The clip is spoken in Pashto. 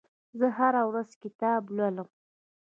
زه هره ورځ کتاب لولم.